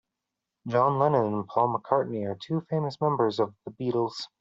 John Lennon and Paul McCartney are two famous members of the Beatles.